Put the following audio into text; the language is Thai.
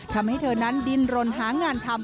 ทำให้เธอนั้นดินรนหางานทำ